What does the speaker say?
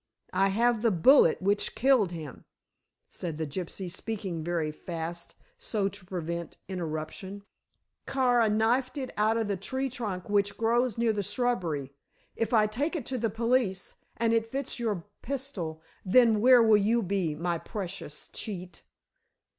"I have the bullet which killed him," said the gypsy, speaking very fast so as to prevent interruption. "Kara knifed it out of the tree trunk which grows near the shrubbery. If I take it to the police and it fits your pistol, then where will you be, my precious cheat?"